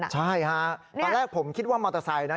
ใช่ฮะตอนแรกผมคิดว่ามอเตอร์ไซค์นะ